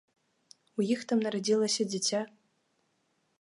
У іх там нарадзілася дзіця.